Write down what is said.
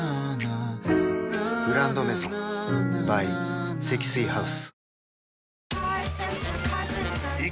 「グランドメゾン」ｂｙ 積水ハウス